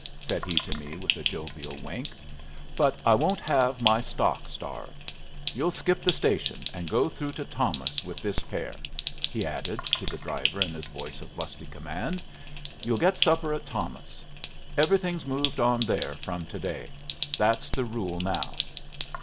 said he to me, with a jovial wink. "But I won't have my stock starved. You'll skip the station and go through to Thomas with this pair," he added to the driver in his voice of lusty command. "You'll get supper at Thomas. Everything's moved on there from to day. That's the rule now."